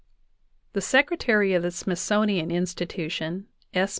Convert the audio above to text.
The Secretary of the Smithsonian Institution, S.